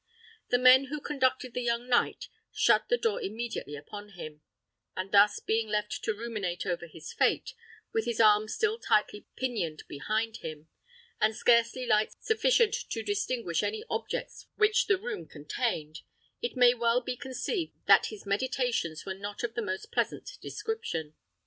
The men who conducted the young knight shut the door immediately upon him; and thus being left to ruminate over his fate, with his arms still tightly pinioned behind him, and scarcely light sufficient to distinguish any objects which the room contained, it may well be conceived that his meditations were not of the most pleasant description.